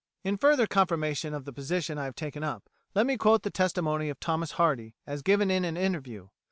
In further confirmation of the position I have taken up, let me quote the testimony of Thomas Hardy as given in an interview.